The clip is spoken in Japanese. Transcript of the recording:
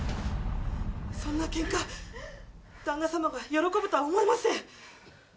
そんなケンカ旦那様が喜ぶとは思えません